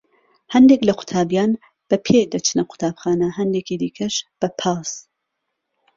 هەندێک لە قوتابیان بە پێ دەچنە قوتابخانە، هەندێکی دیکەش بە پاس.